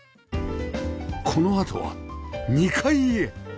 このあとは２階へ。